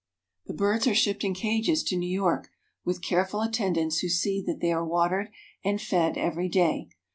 The birds are shipped in cages to New York, with care ful attendants who see that they are watered and fed every day.